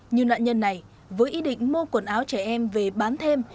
như nạn nhân này với ý định mua quần áo trẻ em về bán thêm